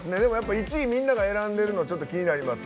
１位、みんなが選んでるの気になります。